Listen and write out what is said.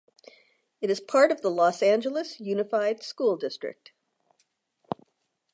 It is part of the Los Angeles Unified School District.